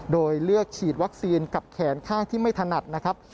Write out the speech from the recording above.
โดยเลือกฉีดวัคซีนกับแขนข้างที่ไม่ถนัดนะครับ